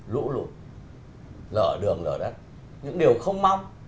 lũ lụt lở đường lở đất những điều không mong